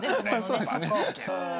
そうですね。